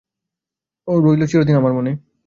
রইল চিরদিন আমার মনে।